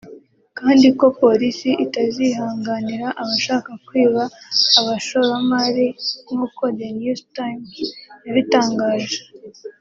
kandi ko Polisi itazihanganira abashaka kwiba abashoramari nk’uko The New Times yabitangaje